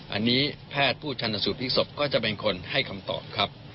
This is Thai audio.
อันนี้แพทย์ผู้ชนสูตรพลิกศพก็จะเป็นคนให้คำตอบครับ